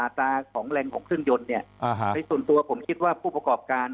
ตาของแรงของเครื่องยนต์ในส่วนตัวผมคิดว่าผู้ประกอบการ